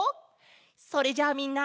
それじゃあみんな。